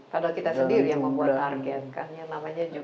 padahal kita sendiri yang membuat target